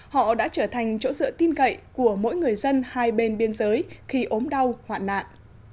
họ đã trở thành chỗ dựa tin cậy của mỗi người dân hai bên biên giới khi ốm đau hoạn nạn